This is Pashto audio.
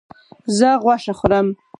زه غوښه خورم